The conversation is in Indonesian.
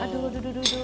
aduh aduh aduh